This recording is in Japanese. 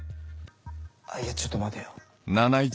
あっいやちょっと待てよ。